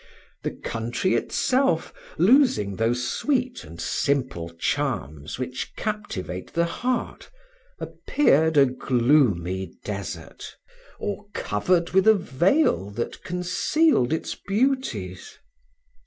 The country itself, losing those sweet and simple charms which captivate the heart, appeared a gloomy desert, or covered with a veil that concealed its beauties.